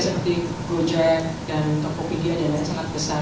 seperti proyek dan topopedia dan lain lain yang sangat besar